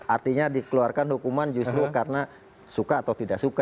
artinya dikeluarkan hukuman justru karena suka atau tidak suka